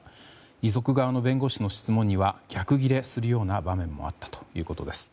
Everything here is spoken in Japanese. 遺族側の弁護士の質問には逆ギレする場面もあったということです。